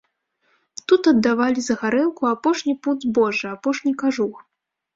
Тут аддавалі за гарэлку апошні пуд збожжа, апошні кажух.